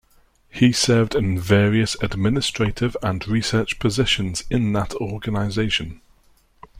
He served in various administrative and research positions in that organization.